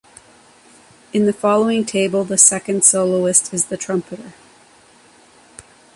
In the following table, the second soloist is the trumpeter.